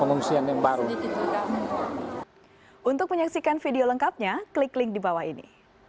untuk menyaksikan video lengkapnya klik link di bawah ini